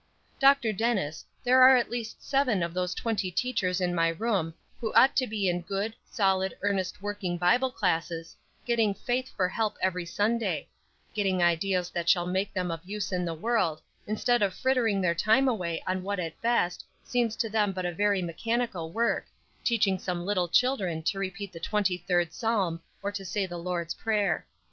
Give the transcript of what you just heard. "Dr. Dennis, there are at least seven of those twenty teachers in my room who ought to be in good, solid, earnest working Bible classes, getting faith for help every Sunday; getting ideas that shall make them of use in the world, instead of frittering their time away on what at best, seems to them but a very mechanical work, teaching some little children to repeat the Twenty third Psalm, or to say the Lord's Prayer.